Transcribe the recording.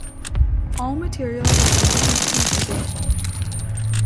All material was previously available.